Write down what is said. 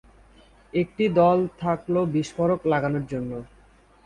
একটি দল থাকল বিস্ফোরক লাগানোর জন্য।